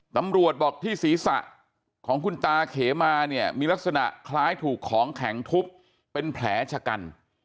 ตำรวจบอกที่ศีรษะของคุณตาเขมาเนี่ยมีลักษณะคล้ายถูกของแข็งทุบเป็นแผลชะกัน